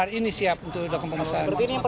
hari ini siap untuk komponensi